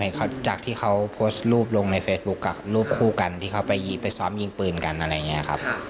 จากที่เขาโพสต์รูปลงในเฟซบุ๊คกับรูปคู่กันที่เขาไปซ้อมยิงปืนกันอะไรอย่างนี้ครับ